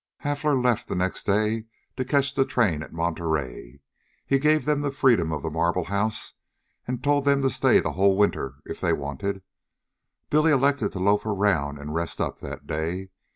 Hafler left the next day to catch the train at Monterey. He gave them the freedom of the Marble House, and told them to stay the whole winter if they wanted. Billy elected to loaf around and rest up that day.